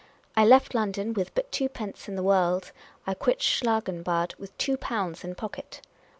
I left London with but twopence in the world ; I quitted Schlangenbad with two pounds in pocket.